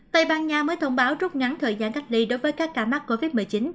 tây ban nha mới thông báo rút ngắn thời gian cách ly đối với các ca mắc covid một mươi chín